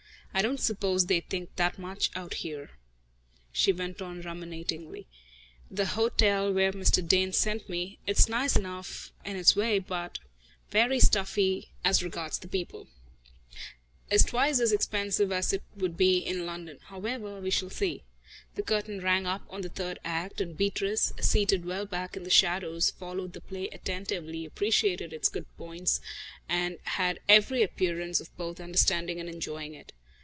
"I don't suppose they think that much out here," she went on ruminatingly. "The hotel where Mr. Dane sent me it's nice enough, in its way, but very stuffy as regards the people is twice as expensive as it would be in London. However, we shall see." The curtain rang up on the third act, and Beatrice, seated well back in the shadows, followed the play attentively, appreciated its good points and had every appearance of both understanding and enjoying it.